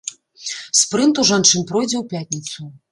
Спрынт у жанчын пройдзе ў пятніцу.